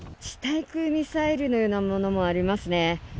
地対空ミサイルのようなものもありますね。